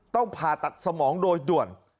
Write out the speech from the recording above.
ผ่าตัดสมองโดยด่วน